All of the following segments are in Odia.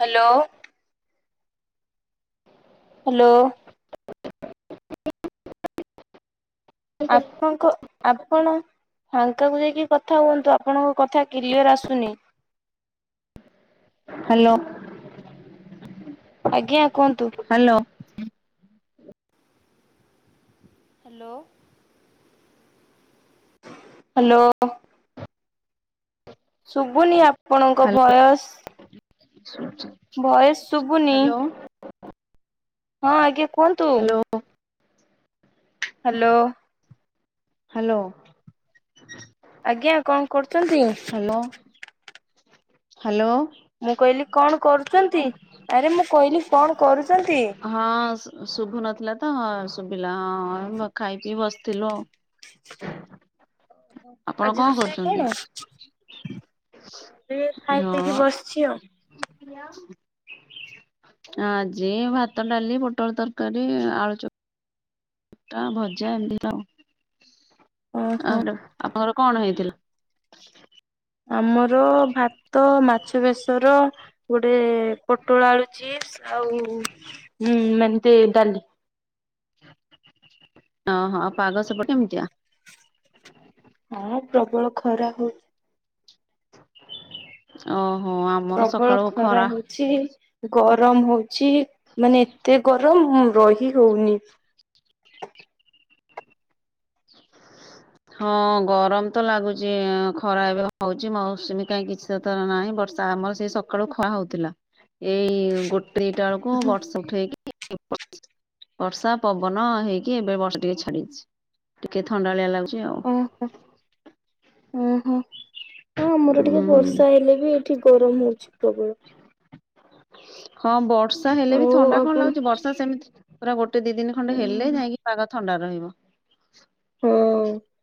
ହ୍ୟାଲୋ। ହ୍ୟାଲୋ। ଆପଣ ଙ୍କ ଆପଣ ଫାଙ୍କାକୁ ଯାଇକି କଥା ହୁଅନ୍ତୁ ଆପଣଙ୍କ କଥା କ୍ଲିୟର ଆସୁନି। ହ୍ୟାଲୋ। ଆଜ୍ଞା କୁହନ୍ତୁ। ହ୍ୟାଲୋ। ହ୍ୟାଲୋ। ହ୍ୟାଲୋ। ଶୁଭୁନି ଆପଣଙ୍କ ହ୍ୟାଲୋ ଭୟସ। [inaudible] ଭଏଜ ଶୁଭୁନି। ହ୍ୟାଲୋ ହଁ ଆଜ୍ଞା କୁହନ୍ତୁ। [inaudible] ହ୍ୟାଲୋ। ହ୍ୟାଲୋ। ଆଜ୍ଞା କଣ କରୁଚନ୍ତି? ହ୍ୟାଲୋ। ମୁଁ କହିଲି କଣ କରୁଚନ୍ତି ଆରେ ମୁଁ କହିଲି କଣ କରୁଚନ୍ତି? ହଁ ଶୁଭୁ ନଥିଲା ତ ହଁ ଶୁଭିଲା ହଁ ଖାଇ ପିଇ ବସିଥିଲୁ ଆଉ। ଆପଣ ଆଜି କଣ ରୋଷେଇ କରୁଛନ୍ତି? କଣ ଏ ଖାଇ ହଁ ପିଇକି ବସିଛି ଆଉ। [inaudible] ଆଜି ଭାତ ଡାଲି ପୋଟଳ ତରକାରୀ ଆଳୁ ଚକ୍ ଟା ଭଜା ଏମତି ତ [unintelligible] ଓହୋ। ଆପଣଙ୍କର କଣ ହେଇଥିଲା। ଆମର ଭାତ ମାଛ ବେସର ଗୋଟେ ପୋଟୋଳୋ ଆଳୁ ଚିପ୍ସ ଆଉ ଉଁ ମାନେ ତେ ଡାଲି। ଅ ହଁ ପାଗ ସେପ କେମିତିଆ। ହଁ ପ୍ରବଳ ଖରା ହୋଉ ଓହୋ ଆମର ସକାଳୁ ଖରା ଛି ଗରମ ହୋଉଛି ମାନେ ଏତେ ଗରମ ରହିହୋଉନି। ହଁ ଗରମ ତ ଲାଗୁଚି ଏଁ ଖରାପ ଏବେ ହଉଚି ମୌସୁମୀ କାଇଁ କିଛି [unintelligible] ନାହିଁ ବର୍ଷା ଆମର ସେ ସକାଳୁ ଖରା ହୋଉଥିଲା ଏଇ ଗୋଟ୍ ଦିଟା ଆଳୁକୁ ବର୍ଷ [unintelligible] ବର୍ଷା ପବନ ହେଇକି ଏବେ ବର୍ଷା ଟିକେ ଛାଡିଛି ଟିକେ ଥଣ୍ଡାଳିଆ ଲାଗୁ ଓହୋ ଓହୋ। ହଁ ଆମର ଟିକେ ଉଁ ବର୍ଷା ହେଲେ ବି ଏଠି ଗରମ ହୋଉଛି ପ୍ରବଳ। ହଁ ବର୍ଷା ହେଲେ ବି ଆଉ ଥଣ୍ଡା କଣ ଆପଣ ଲାଗୁଛି ବର୍ଷା ସେମିତି ପୁରା ଗୋଟେ ଦି ଦିନ ଖଣ୍ଡେ ହେଲେ ଯାଇକି ପାଗ ଥଣ୍ଡା ରହିବ। [unintelligible]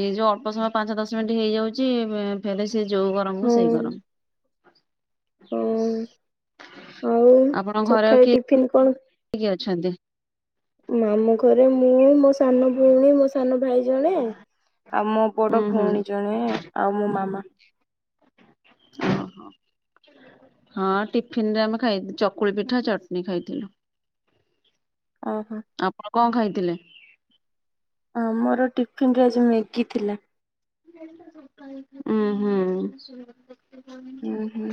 ଏଇ ଯେଉଁ ଅଳ୍ପ ସମୟ ପାଞ୍ଚ ଦଶ ମିନିଟ୍ ହେଇଯାଉଚି ବେ ଫେରେ ସେ ଯେଉଁ ଗରମକୁ ହଁ ସେଇ ଗରମ। ହଁ ଆଉ ଆପଣଙ୍କ ଘରେ ଆଉ ସକାଳେ କିଏ ଟିଫିନ କଣ କିଏ ଅଛନ୍ତି। ମାମୁଁ ଘରେ ମୁଁ ମୋ ସାନ ଭୋଉଣୀ ମୋ ସାନ ଭାଇ ଜଣେ ଆଉ ମୋ ହୁଁ ବଡ ଭୋଉଣୀ ହୁଁ ଜଣେ ଆଉ ମୋ ମାମା। [unintelligible] ହଁ ଟିଫିନ ରେ ଆମେ ଖାଇ ଚକୁଳି ପିଠା ଚଟ୍ନି ଖାଇଥିଲୁ। ଓହୋ ଆପଣ କଁ ଖାଇଥିଲେ। ଆମର ଟିଫିନ ରେ ଆଜି ମ୍ୟାଗି ଥିଲା। ଉଁହୁଁ। ଉଁହୁଁ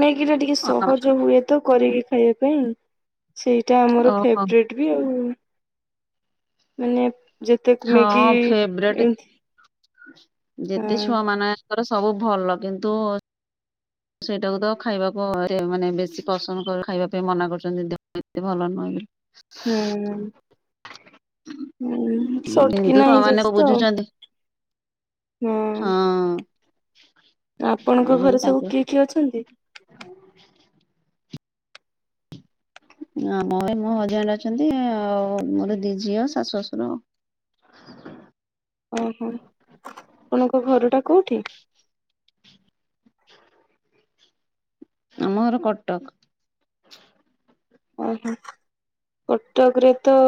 ମ୍ୟାଗି ଟା ଟିକେ ସହଜ ହୁଏ। ତ କରିକି ଖାଇବା ପାଇଁ ସେଇଟା ଆମର ଓହୋ ଫେବ୍ରେଟ୍ ବି ଆଉ। ମାନେ ଯେତେ ମ୍ୟାଗି ହଁ ଫେବ୍ରେଟ୍ ଏମତି ଯେତେ ହଁ ଛୁଆ ମାନେ ଙ୍କର ସବୁ ଭଲ କିନ୍ତୁ ସେଇଟାକୁ ତ ଖାଇବାକୁ ତେ ମାନେ ବେଶୀ ପସନ୍ଦ କରୁ ଖାଇବା ପାଇଁ ମନା କରୁଛନ୍ତି ଦେ ଏତେ ଭଲ [unintelligible] ହୁଁ। ହୁଁ ସଟ୍ କିନ୍ତୁ କିନା ଛୁଆ ମାନେ ହେଇଯାଉଛି ତ ଆଉ। ବୁଝୁଛନ୍ତି ହଁ। ଆପଣଙ୍କ ବୁଝୁଛନ୍ତି ଘରେ ସବୁ ତାଙ୍କୁ କିଏ କିଏ ଅଛନ୍ତି। [inaudible] ଆମ ଘରେ ମୋ ହଜବେଣ୍ଡେ ଅଛନ୍ତି ଆଉ ମୋରୋ ଦି ଝିଅ ଶାଶୁ ଶଶୁର ଆଉ। ଅହଁ ଆପଣଙ୍କ ଘର ଟା କୋଉଠି। ଆମ ଘର କଟକ। ଅହଁ କଟକରେ ତ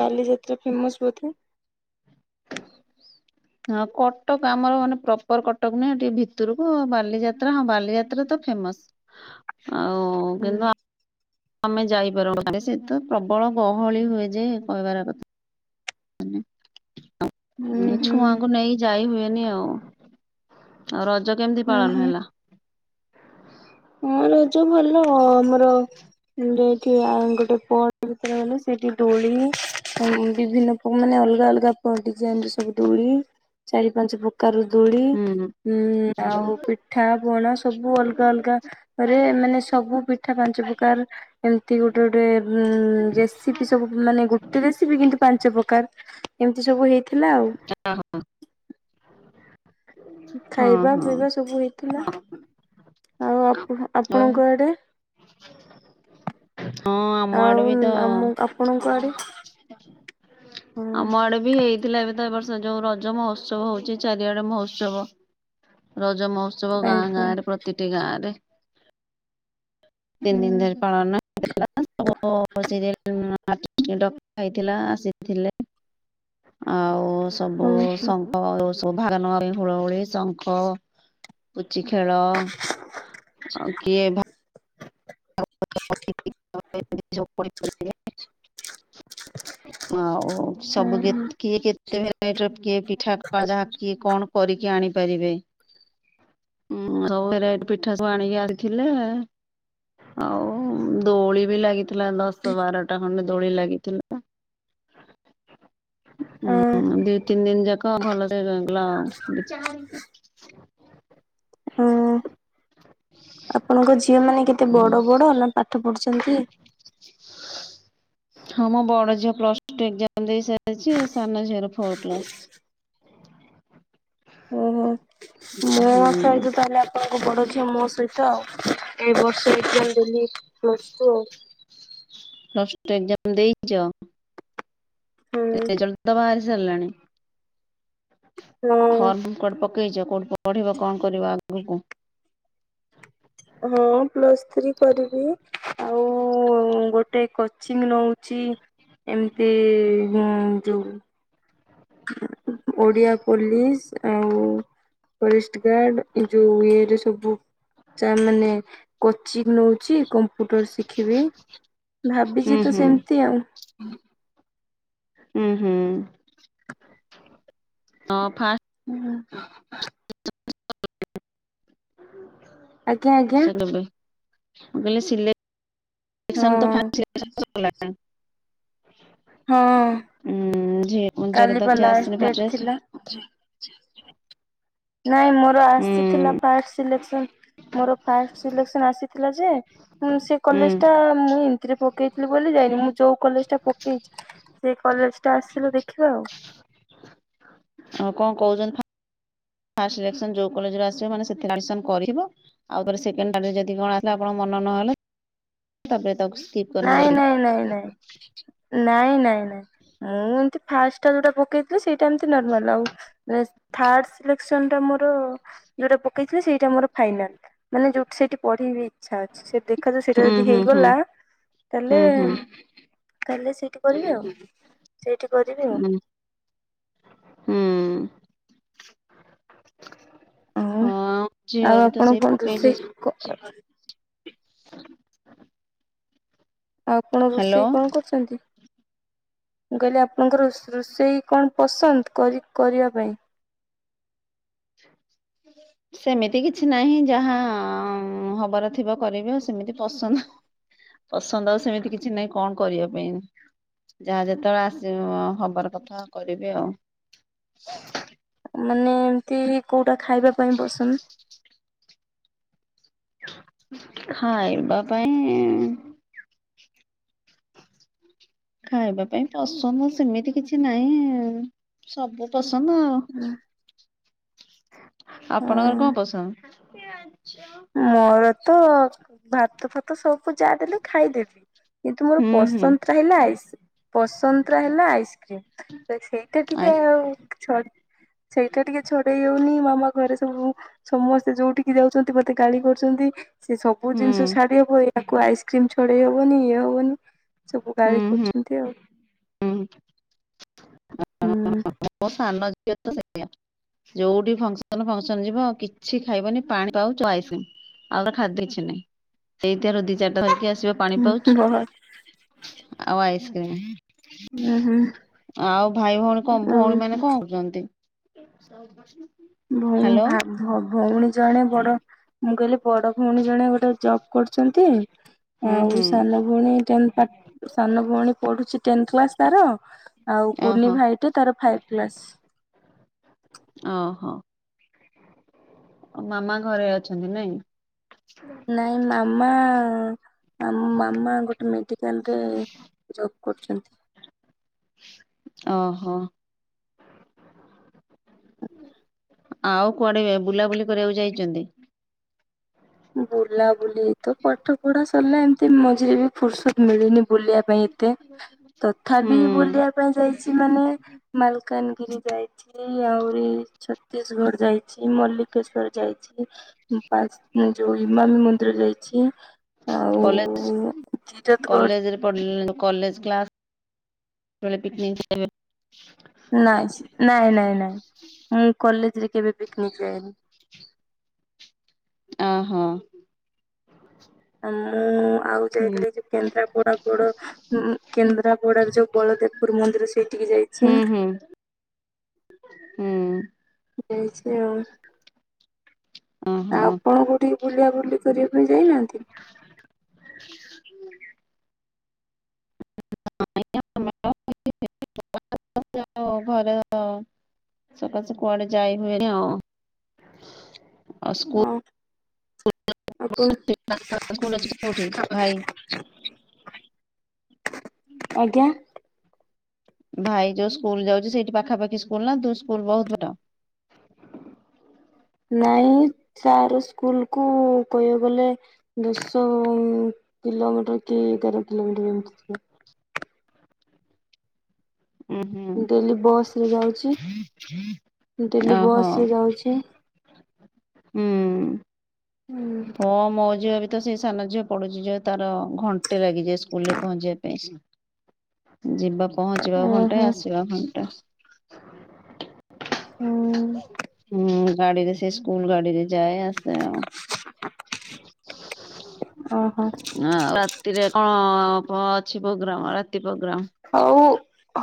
ବାଲିଯାତ୍ରା ଫେମସ୍ ବୋଧେ। ହଁ କଟକ ଆମର ମାନେ ପ୍ରପର୍ କଟକ ନୁହେଁ ଟିକେ ଭିତୁରୁକୁ ବାଲିଯା ତ୍ରା ହଁ ବାଲିଯାତ୍ରା ତ ଫେମସ୍ ଆଉ ଉୁଁ କିନ୍ତୁ ଆ ମେ ଯାଇରୁ [unintelligible] ସେ ତ ପ୍ରବଳ ଗହଳି ହୁଏ ଯେ କହିବାର କଥା [unintelligible] ହୁଁ ଛୁଆଙ୍କୁ ନେଇ ଯାଇ ହୁଏନି ଆଉ। ଆଉ ରଜ କେମିତି ଉୁଁ ପାଳନ ହୁଁ ହେଲା। ହଁ ରଜ ଭଲ ଆମର [unintelligible] ଏଇଠି ଆଁ ଗୋଟେ ପଟ ଭିତରେ ଗଲେ ସେଇଠି ଦୋଳି ଅନ୍ ବିଭିନ୍ନ ପ ମାନେ ଅଲଗା ଅଲଗା ପ ଡିଜାଇନ୍ ର ସବୁ ଦୋଳି ଚାରି ପାଞ୍ଚ ପ୍ର କାର ଦୋଳି ହୁଁ ଉଁ ଆଉ ପିଠା ପଣା ସବୁ ଅଲଗା ଅଲଗା ପରେ ମାନେ ସବୁ ପିଠା ପାଞ୍ଚ ପକାର ଏମତି ଗୋଟେ ଗୋଟେ ଉଁ ରେସିପି ସବୁ ମାନେ ଗୋଟେ ରେସିପି କିନ୍ତୁ ପାଞ୍ଚ ପ୍ରକାର। ଏମିତି ସବୁ ହେଇଥିଲା ଆଉ। [inaudible] ହଁ ଖାଇବା ହଁ ପିଇବା ସବୁ ହେଇଥିଲା। ଆଉ ଆପଣ ଆଉ ଆପଣଙ୍କ ଆଡ଼େ? ହଁ ଆମ ଆଡେ ଆଉ ବି ତ ଆମ ଆପଣଙ୍କ ଆଡେ? ହଁ ଆମ ଆଡେ ବି ହେଇଥିଲା ଏବେ ତ ଏବର୍ଷ ଯୋଉ ରଜ ମହୋତ୍ସବ ହଉଛି ଚାରିଆଡେ ମହୋତ୍ସବ। ରଜ ମହୋତ୍ସବ ଗାଁ ଗାଁ ଆଜ୍ଞା ରେ ପ୍ରତିଟି ଗାଁ ରେ। ତିନ ଦିନ ଧରି ହୁଁ ପାଳନ [unintelligible] ଆଉ ସବୁ ହୁଁ ସ [unintelligible] ହୁଳ ହୁଳି ଶଙ୍ଖ କୁଚି ଖେଳ। ଆଉ କିଏ ଭା [unintelligible] [inaudible] ଆଉ ଅ ସବୁ କେତ କିଏ କେତ କେତେ ଭେରାଇଟିର କିଏ ପିଠା ଯାହା କିଏ କଣ କରିକି ଆଣିପାରିବେ। ହୁଁ ସବୁ ଭେରାଇ ପିଠା ସବୁ ଆଣିକି ଆଇଥିଲେ। ଆଉ ଦୋଳି ବି ଲାଗିଥିଲା ଦଶ ବାରଟା ଖଣ୍ଡେ ଦୋଳି ଲାଗିଥିଲା। ଅ ହୁଁ ହୁଁ ଦି ତିନି ଦିନ ଯାକ ଭଲ ରେ ଗ ଗଲା [inaudible] ହୁଁ ଆପଣଙ୍କ ଝିଅ ମାନେ କେତେ ବଡ ବଡ ନା ପାଠ ପଢୁଛନ୍ତି? ହଁ ମୁଁ ବଡ ଝିଅ ପ୍ଲସ ଟୁ ଏକ୍ସାମ ଦେଇସାରିଛି ଆ ସାନ ଝିଅର ଫୋର କ୍ଲାସ। ଓ ହୋ ହୁଁ ମୁଁ ସହିତ ତାହେଲେ [unintelligible] ଅ ମୋ ସହିତ ଆଉ ଏଇ ବର୍ଷ ଏକ୍ଜାମ୍ ଦେଲି ପ୍ଲସ ଟୁ ଆଉ। ପ୍ଲସ ଟୁ ଏକ୍ସାମ ଦେଇଛ। ହୁଁ ରେଜଲ୍ଟ ତ ବାହାରି ସାରିଲାାଣି। ଫର୍ମ କୋଆଡେ ପକେଇଛ କୋଉଠି ପଢିବ କଣ କରିବ ଆଗକୁ? ହଁ ପ୍ଲସ୍ ଥ୍ରୀ କରିବି ଆଉ ଗୋଟେ କୋ କିଛି ବି ନଉଛି ଏମିତି ଉଁ ଯୋଉ ଓଡିଆ ପୋଲିସ ଆଉ ଫରେଷ୍ଟ ଗାର୍ଡ ଏ ଯୋଉ ଇଏରେ ସବୁ ଚା ମାନେ କୋଚିଂ ନଉଛି କମ୍ପୁଟର ଶିଖିବି ହୁଁ ଭାବିଛି ତ ହୁଁ ସେମିତି ଆଉ। ହୁଁ ହୁଁ ହ ଫା [inaudible] ଆଜ୍ଞା ଆଜ୍ଞା ସେ ନେବେ ମୁଁ କଲି ସିଲ ହଁ [unintelligible] ହଁ ଝିଅର କାଲି ତ ପା କିଛି ଆସିନି ଲାଷ୍ଟ ଫାଷ୍ଟ ଡେଟ ରେ ଥିଲା। ନାଇଁ ମୋର ହୁଁ ଆସିଥିଲା ଫାଷ୍ଟ ସିଲେକ୍ସନ ମୋର ଫାଷ୍ଟ ସିଲେକ୍ସନ ଆସିଥିଲା ଯେ ହୁଁ ସେ ହୁଁ କଲେଜ ଟା ମୁଁ ଏମତିରେ ପକେଇଥିଲି ବୋଲି ଯାଇନି ମୁଁ ଯୋଉ କଲେଜ ଟା ପକେଇଛି ସେ କଲେଜ ଟା ଆସିଲ ଦେଖିବା ଆଉ। ଆଉକଣ କୋଉଚନ୍ତି ଫା ଫାଷ୍ଟେ ସିଲେସନ୍ ଯୋଉ କଲେଜରେ ଆସିବ ମାନେ ସେକେଣ୍ଡେ ଆଡ଼ିମିସନ୍ କରିବ। ଆଉ ଥରେ ସେକେଣ୍ଡ ଥାର୍ଡ ଯଦି କଣ ଆସିଲା ଆପଣଙ୍କ ମନ ନହେଲେ ତା ପରେ ତାକୁ ସି ନାଇଁ ନାଇଁ ନାଇଁ ନାଇଁ ନାଇଁ ନାଇଁ ମୁଁ ଏମିତି ଫାଷ୍ଟେ ଯୋଉଟା ପକେଇ ସେଇଟା ଏମତି ନର୍ମାଲ ଆଉ ବେସ୍ ଥାର୍ଡ ସିଲେକ୍ସନ ଟା ମୋର ଯୋଉଟା ପକେଇଥିଲେ ସେଇଟା ମୋର ଫାଇନାଲ ମାନେ ଯୋଉଠି ସେଇଠି ପଢ଼ି ବି ଇଚ୍ଛା ଅଛି ସେ ଦେଖାଯାଉ ସେଇଟା ହୁଁ ଯଦି ହୁଁ ହୁଁ ହେଇଗଲା ତାଲେ ହୁଁ ହୁଁ ତାଲେ ସେଇଠି କରିବି ଆଉ। ସେଇଠି କରିବି ଆଉ ହୁଁ। ହୁଁ। ଆଉ ହଁ ଆଉ ଝିଅର ବି ତ ଆପଣ ସେଇ କଣ ପକେଇଚି। [unintelligible] ଆପଣ ହ୍ୟାଲୋ। ରୋଷେଇ କଣ କରୁଛନ୍ତି ମୁଁ କହିଲି ଆପଣଙ୍କର ରୋଷ ରୋଷେଇ କଣ? ପସନ୍ଦ କରି କରିବା ପାଇଁ। ହୁଁ ସେମିତି କିଛି ନାହିଁ ଯାହା ହବାର ଥିବ କରିବି ଆଉ ସେମିତି ପସନ୍ଦ ପସନ୍ଦ ଆଉ ସେମିତି କିଛି ନାହିଁ କଣ କରିବା ପାଇଁ। ଯାହା ଯେତେବେଳେ ଆସିବ ହବାର କଥା କରିବି ଆଉ। ମାନେ ଏମତି କୋଉଟା ଖାଇବା ପାଇଁ ବସନ୍? ଖାଇବା ପାଇଁ ଖାଇବା ପାଇଁ ପସନ୍ଦ ସେମିତି କିଛି ନାଇଁ। ସବୁ ପସନ୍ଦ ଆଉ ଆପଣଙ୍କର ହଁ। କଣ ପସନ୍ଦ? ପିଆଚ ମୋର ତ ଭାତ ଫାତ ସବୁ ଯା ଦେଲେ ଖାଇଦେବି। କିନ୍ତୁ ମୋର ହୁଁ ହୁଁ ପସନ୍ଦଟା ହେଲା ଆଇସ୍। ପସନ୍ଦରା ହେଲା ଆଇସ୍କ୍ରିମ ତ ସେଇଟା ଆ ଟିକେ ଛ ସେଇଟା ଟିକେ ଛଡ଼େଇ ହଉନି ମାମା ଘରେ ସବୁ ସମସ୍ତେ ଯୋଉଠିକି ଯାଉଚନ୍ତି ତେ ଗାଳି କରୁଛନ୍ତି। ସେ ସବୁ ହୁଁ ଜିନିଷ ଛାଡ଼ି ହବ ଇୟାକୁ ଆଇସ୍କ୍ରିମ ଛଡ଼େଇ ହବନି ଇଏ ହବନି। ସବୁ ଗାଳି ହୁଁ ହୁଁ କରୁଛନ୍ତି ଆଉ। ହୁଁ। ହୁଁ। ମୋ ସାନ ଝିଅ ତ ସେୟା। ଯୋଉଠି ଫଙ୍କସନ ଫଙ୍କସନ ଯିବ ଆଉ କିଛି ଖାଇବନି ପାଣି ପାଉଚ ଆଇସ ଆଉର ଖାଦ୍ୟ ଛି ନାହିଁ ସେଇଥିରୁ ଦି ଚାରିଟା ଧରିକି ଆସିବ। ପାଣି ପାଉଚ ବହତ ଆଉ ଆଇସ୍କ୍ରିମ। ହୁଁ ହୁଁ। ଆଉ ଭାଇ ଭଉଣୀ କ ଭଉଣୀ ମାନେ କଣ କରୁଛନ୍ତି? [unintelligible] ଭ ଭଉଣୀ ଜଣେ ବଡ଼ ମୁଁ କହିଲି ବଡ଼ ଭଉଣୀ ଜଣେ ଗୋଟେ ଜବ୍ କରୁଛନ୍ତି। ହୁଁ ଆଉ ହୁଁ ସାନ ଭଉଣୀ ଟେନ ସାନ ଭଉଣୀ ପଢ଼ୁଛି ଟେନଥ କ୍ଲାସ ତାର। ଆଉ କୁନି ଓହୋ ଭାଇଟେ ତାର ଫାଇଭ କ୍ଲାସ୍। ଓହୋ। ଆ ମାମା ଘରେ ଅଛନ୍ତି ନାଇଁ? ନାଇଁ ମାମା ଆମ ମାମା ଗୋଟେ ମେଡିକାଲରେ ଜବ୍ କରୁଛନ୍ତି। ଓହୋ। ଆଉ କୁଆଡ଼େ ବୁଲାବୁଲି କରିବାକୁ ଯାଇଛନ୍ତି? ବୁଲା ବୁଲି ତ ପାଠ ପଢା ସରିଲା ଏମିତି ମଝିରେ ବି ଫୁର୍ସୁତ ମିଳିନି ବୁଲିବା ପାଇଁ। ତେ ହୁଁ ତଥାପି ବୁଲିବା ପାଇଁ ଯାଇଛି ମାନେ ମାଲକାନଗିରି ଯାଇଚି। ଚି ଆଉରି ଛତିଶଗଡ଼ ଯାଇଛି ମଲ୍ଲିକେଶ୍ଵର ଯାଇଛି ପାନ୍ ଯୋଉ ଇମାମି ମନ୍ଦିର ଯାଇଛି ଆଉ ଚିରତ ଗ କଲେ କଲେଜ କ୍ଲା ବେଳେ ପିକନିକ ନାଇଁ ନାଇଁ ନାଇଁ ନାଇଁ ମୁଁ କଲେଜରେ କେବେ ପିକନିକ ଯାଇନି। ଅହୋ। ମୁଁ ଆଉ ଯାଇଥିଲି ଯୋଉ କେନ୍ଦ୍ରାପଡା ପୋଡ କେନ୍ଦ୍ରାପଡା ଯୋଉ ବଳଦେବପୁର ମନ୍ଦିର ସେଠିକି ହୁଁ ଯାଇଛି। ହୁଁ ହୁଁ। ଯାଇଛି ଆଉ ଆଉ ଓହୋ ଆପଣ କୋଉଠିକି ବୁଲାବୁଲି କରିବା ପାଇଁ ଯାଇନାହାନ୍ତି? ହୁଁ [inaudible] ଓ ଘରେ ସକାଶେ କୁଆଡେ ଯାଇ ହୁଏନି ଆଉ ଅ ସ୍କୁ ହଁ ଆପଣ [inaudible] ଆଜ୍ଞା। ଭାଇ ଯୋଉ ସ୍କୁଲ ଯାଉଛି ସେଇଠି ପାଖାପାଖି ସ୍କୁଲ ନା ତୁ ସ୍କୁଲ ବହୁତ ଦୂର। ନାଇଁ ସାର୍ ସ୍କୁଲକୁ କହିବାକୁ ଗଲେ। ଦଶ କିଲୋମିଟର କି ଏଗାର କିଲୋମିଟର ଏମିତି ହୁଏ। ଡେଲି ବସ ରେ ହଁ ଯାଉଛି ହୁଁ ଡେଲି ବସ ରେ ଯାଉଛି। ଓହୋ। ହୁଁ ହୁଁ। ହଁ ମୋ ଝିଅ ବି ତ ସେଇ ସାାନ ଝିଅ ପଡୁଛି ଯୋଉ ତାର ଘଣ୍ଟେ ଲାଗିଯାଏ ସ୍କୁଲରେ ପହଞ୍ଚିବା ପାଇଁ। ଯିବା ପହଞ୍ଚିବା ଓହୋ ଘଣ୍ଟାଏ ଆସିବା ଘଣ୍ଟା। ହୁଁ ହୁଁ ଗାଡିରେ ସେ ସ୍କୁଲ ଗାଡିରେ ଯାଏ ଆସେ ଆଉ ଓହୋ ଆ ରାତିରେ କଣ ଅଛି ପ୍ରୋଗ୍ରାମ ରାତି ପ୍ରୋଗ୍ରାମ ହଉ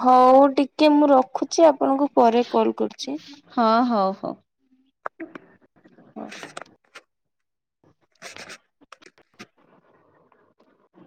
ହଉ ଟିକେ ମୁଁ ରଖୁଛି ଆପଣଙ୍କୁ ପରେ କଲ୍ କରୁଛି। ହଁ ହଉ ହଉ। ଅଫ୍।